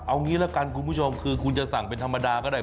เอางี้ละกันคุณผู้ชมคือคุณจะสั่งเป็นธรรมดาก็ได้